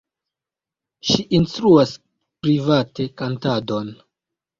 Ŝi instruas private kantadon.